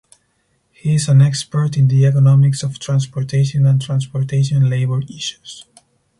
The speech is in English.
He is an expert in the economics of transportation and transportation labor issues.